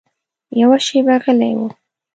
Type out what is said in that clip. یوه شېبه غلی و.